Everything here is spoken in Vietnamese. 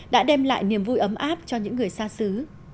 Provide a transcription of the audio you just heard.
đã đem lại niềm vui ấm áp cho những người xa xứ